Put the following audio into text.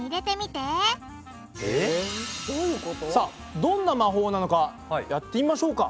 さあどんな魔法なのかやってみましょうか。